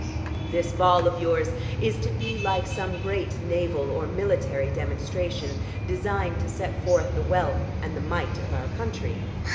This ball of yours is to be like some great naval or military demonstration designed to set forth the wealth and the might of our country.